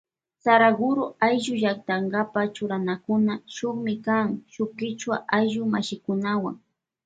Saraguro ayllu llaktakapa churanakuna shukmi kan shuk kichwa ayllu mashikunawan.